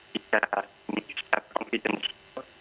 bisa mengikuti konfidensi